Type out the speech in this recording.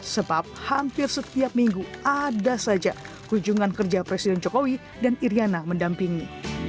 sebab hampir setiap minggu ada saja kunjungan kerja presiden jokowi dan iryana mendampingi